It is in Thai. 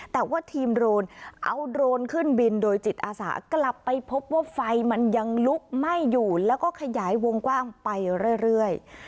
แต่ว่าทีมโรนเอาโดรนขึ้นบินโดยจิตอาสากลับไปพบว่าไฟมันยังลุกไหม้อยู่แล้วก็ขยายวงกว้างไปเรื่อย